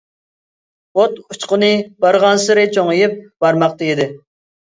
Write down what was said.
ئوت ئۇچقۇنى بارغانسېرى چوڭىيىپ بارماقتا ئىدى.